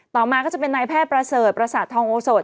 ต่อมาก็จะเป็นนายแพทย์ประเสริฐประสาททองโอโสด